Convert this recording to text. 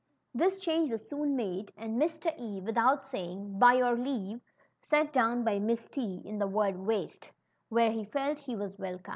This change was soon made, and Mr.^ E, without say ing, ^^By your leave," sat down by Miss T in the word wast," wdiere he felt he was welcome.